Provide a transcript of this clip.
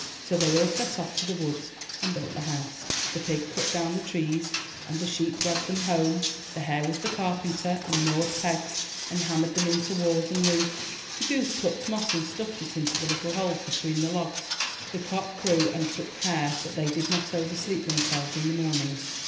So they all set off to the woods and built the 282 I N THE NURSERY house. The pig cut down the trees and the sheep dragged them home; the hare was the carpenter, and gnawed pegs and hammered them into walls and roof; the goose plucked moss and stuffed it into the little holes between the logs; the cock crew and took care that they did not oversleep them selves in the mornings.